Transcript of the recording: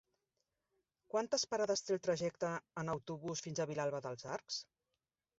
Quantes parades té el trajecte en autobús fins a Vilalba dels Arcs?